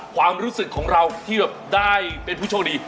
ความรู้สึกของเราที่แบบได้เป็นผู้โชคดี